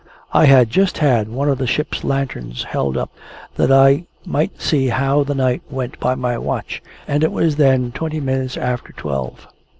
I had just had one of the ship's lanterns held up, that I might see how the night went by my watch, and it was then twenty minutes after twelve.